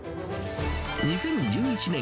２０１１年